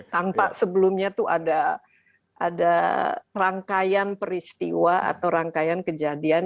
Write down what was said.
tanpa sebelumnya itu ada rangkaian peristiwa atau rangkaian kejadian